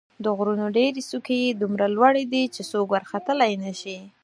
د غرونو ډېرې څوکې یې دومره لوړې دي چې څوک ورختلای نه شي.